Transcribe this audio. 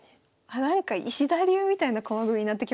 あなんか「石田流」みたいな駒組みになってきましたね。